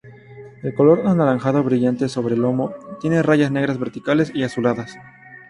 El color anaranjado brillante sobre el lomo, tiene rayas negras verticales y azuladas.